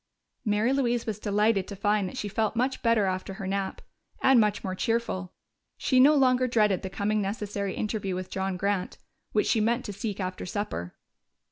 Mary Louise was delighted to find that she felt much better after her nap. And much more cheerful. She no longer dreaded the coming necessary interview with John Grant, which she meant to seek after supper.